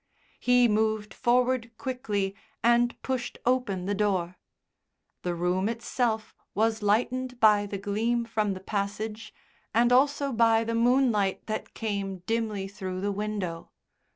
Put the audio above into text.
He moved forward quickly and pushed open the door. The room itself was lightened by the gleam from the passage and also by the moonlight that came dimly through the window.